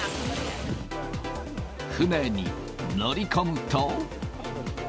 船に乗り込むと。